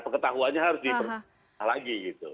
pengetahuannya harus dipertahan lagi gitu